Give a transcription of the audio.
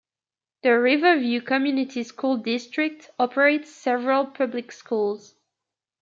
The Riverview Community School District operates several public schools.